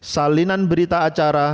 salinan berita tersebut